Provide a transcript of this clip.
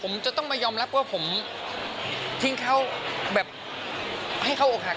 ผมจะต้องมายอมรับว่าผมทิ้งเขาแบบให้เขาอกหัก